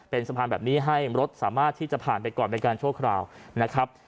เป็นสะพานแบบนี้ให้รถสามารถที่จะผ่านไปก่อนเป็นการชั่วคราวนะครับ